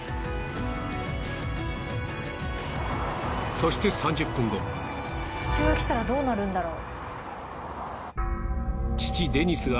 そして父親が来たらどうなるんだろう。